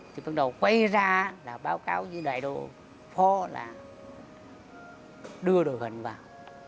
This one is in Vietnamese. thì bắt đầu quay ra là báo cáo với đại độ phó là đưa đồ hình vào